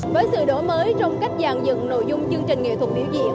với sự đổi mới trong cách dàn dựng nội dung chương trình nghệ thuật biểu diễn